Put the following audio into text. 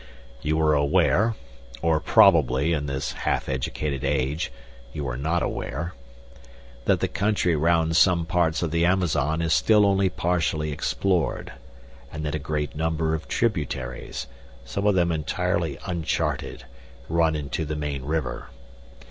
"You are aware or probably, in this half educated age, you are not aware that the country round some parts of the Amazon is still only partially explored, and that a great number of tributaries, some of them entirely uncharted, run into the main river.